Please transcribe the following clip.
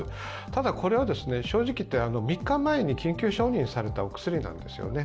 ただ、これは正直言って、３日前に緊急承認されたお薬なんですよね。